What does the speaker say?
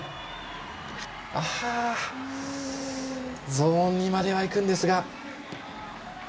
ゾーン２まではいくんですが。